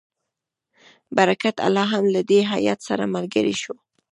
برکت الله هم له دې هیات سره ملګری شو.